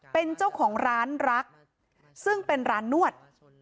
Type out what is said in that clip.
เป็นเจ้าของร้านรักซึ่งเป็นร้านนวด